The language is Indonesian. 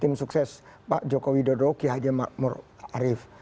dan juga sukses pak jokowi dodro ki hajar ma'amur arief